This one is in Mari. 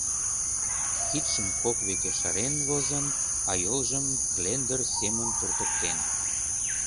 Кидшым кок веке шарен возын, а йолжым клендыр семын туртыктен.